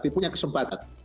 berarti punya kesempatan